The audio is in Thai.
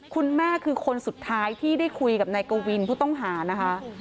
คุณแม่คือคนสุดท้ายที่ได้คุยกับนายกวินผู้ต้องหานะคะ